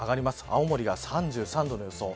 青森３３度の予想。